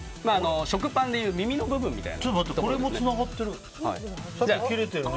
食パンでいう耳の部分みたいな。